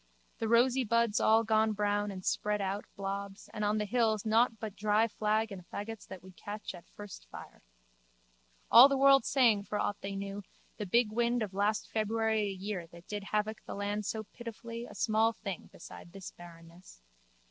The rosy buds all gone brown and spread out blobs and on the hills nought but dry flag and faggots that would catch at first fire. All the world saying, for aught they knew, the big wind of last February a year that did havoc the land so pitifully a small thing beside this barrenness.